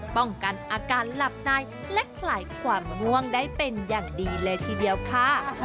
ป้องกันอาการหลับในและคลายความง่วงได้เป็นอย่างดีเลยทีเดียวค่ะ